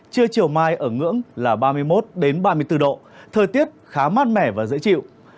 trưa chiều mai ở ngưỡng là ba mươi một ba mươi bốn độ thời tiết khá mát mẻ và dễ chịu